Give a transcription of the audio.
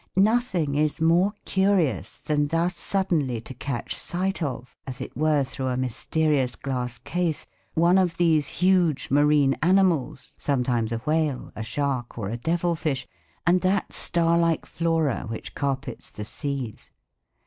Nothing is more curious than thus suddenly to catch sight of, as it were through a mysterious glass case, one of these huge marine animals, sometimes a whale, a shark or a devil fish, and that star like flora which carpets the seas.